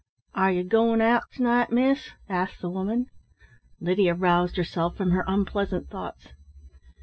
"Are you going out to night, miss?" asked the woman. Lydia roused herself from her unpleasant thoughts.